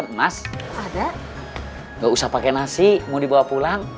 semarang semarang semarang